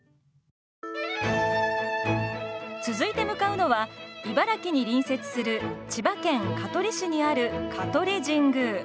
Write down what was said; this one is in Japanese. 続いて向かうのは茨城に隣接する千葉県香取市にある香取神宮。